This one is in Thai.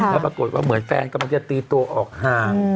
แล้วปรากฏว่าเหมือนแฟนกำลังจะตีตัวออกห่าง